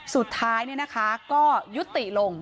สุดท้ายก็ยุติลง